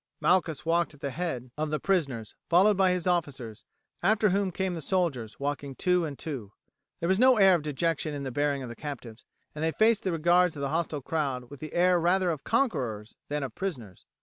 Malchus walked at the head of the prisoners, followed by his officers, after whom came the soldiers walking two and two. There was no air of dejection in the bearing of the captives, and they faced the regards of the hostile crowd with the air rather of conquerors than of prisoners.